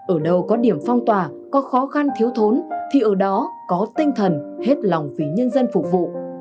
ở đâu có điểm phong tỏa có khó khăn thiếu thốn thì ở đó có tinh thần hết lòng vì nhân dân phục vụ